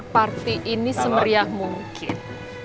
party ini semeriah mungkin